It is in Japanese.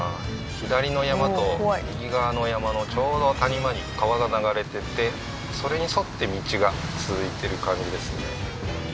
左の山と右側の山のちょうど谷間に川が流れててそれに沿って道が続いてる感じですね